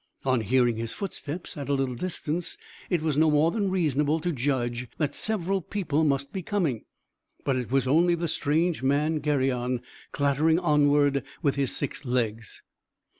On hearing his footsteps at a little distance, it was no more than reasonable to judge that several people must be coming. But it was only the strange man Geryon clattering onward, with his six legs!